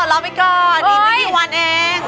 อีกนึงที่วันเอง